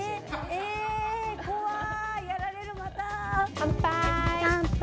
乾杯！